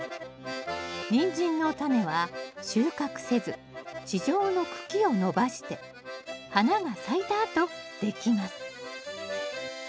ニンジンのタネは収穫せず地上の茎を伸ばして花が咲いたあとできます